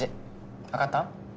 わかった？